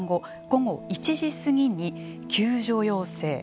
午後１時すぎに救助要請。